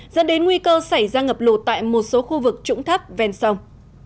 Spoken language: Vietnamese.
dẫn đến nguy cơ xảy ra ngập lụt tại một số khu vực trũng thấp ven sông